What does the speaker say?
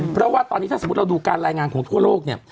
เพราะว่าตอนนี้ถ้าสมมุติเราดูการรายงานของทั่วโลกเนี่ย